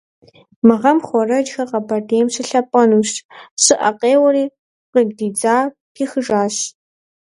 Мы гъэм хуэрэджэр Къабэрдейм щылъапӏэнущ, щӏыӏэ къеуэри къыдидзар пихыжащ.